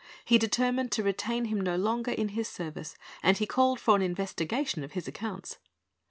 He determined to retain him no longer in his service, and he called for an investigation of his accounts.